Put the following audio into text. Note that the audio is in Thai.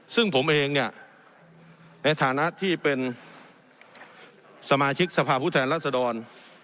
ซึ่งผมเองเนี่ยในฐานะที่เป็นสมาชิกสภาพผู้แทนรัศดร